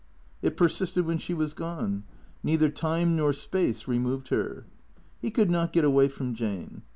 It persisted when she was gone. Neither time nor space re moved her. He could not get away from Jane.